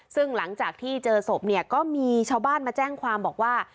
ซึ่งหลังจากที่เจอศพเนี่ยก็มีชาวบ้านมาแจ้งความบอกว่า